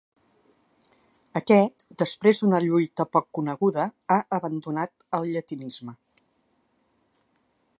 Aquest, després d’una lluita poc coneguda, ha abandonat el llatinisme.